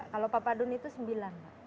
kalau papadun itu sembilan